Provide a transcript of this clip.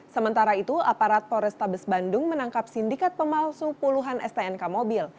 sementara itu aparat polrestabes bandung menangkap sindikat pemalsu puluhan stnk mobil